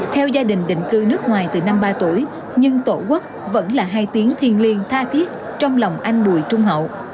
theo gia đình định cư nước ngoài từ năm ba tuổi nhưng tổ quốc vẫn là hai tiếng thiên liên tha thiết trong lòng anh bùi trung hậu